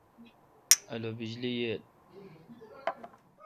الو بجلی ییل۔؟